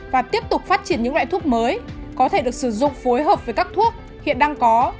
và tiếp tục phát triển những loại thuốc mới có thể được sử dụng phối hợp với các thuốc hiện đang có